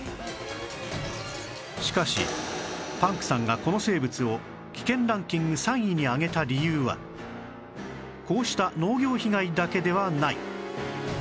しかしパンクさんがこの生物を危険ランキング３位に挙げた理由はこうした農業被害だけではない